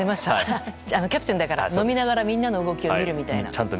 キャプテンだから飲みながらみんなの動きを見るみたいな。